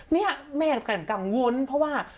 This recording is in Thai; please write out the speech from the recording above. เนี่ยแม่กันกังวลเพราะว่า